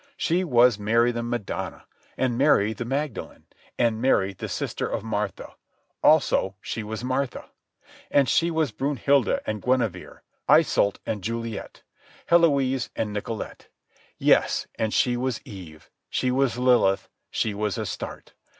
She was Mary the Madonna, and Mary the Magdalene, and Mary the sister of Martha, also she was Martha. And she was Brünnhilde and Guinevere, Iseult and Juliet, Héloïse and Nicolette. Yes, and she was Eve, she was Lilith, she was Astarte.